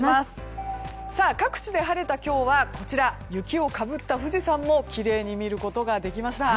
各地で晴れた今日は雪をかぶった富士山もきれいに見ることができました。